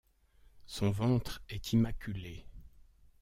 Son ventre est immaculé.